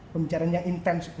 pembicaraan yang intens